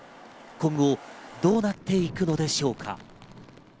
今後どうなっていくのでしょうか。